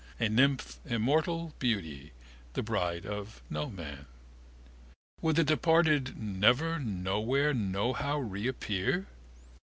A nymph immortal, beauty, the bride of Noman. Would the departed never nowhere nohow reappear?